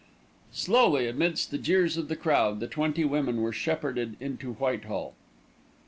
Slowly amidst the jeers of the crowd the twenty women were shepherded into Whitehall.